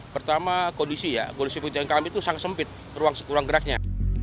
pertama kondisi ya kondisi pekerjaan kami itu sangat sempit ruang geraknya